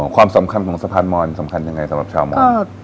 ความสำคัญของสะพานมอนสำคัญยังไงสำหรับชาวมอน